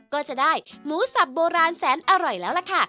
ก็จะได้หมูสับโบราณแสนอร่อยแล้วล่ะค่ะ